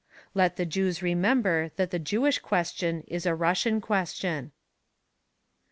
Let the Jews remember that the Jewish question is a Russian question.